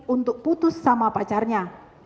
untuk putus sama pacarnya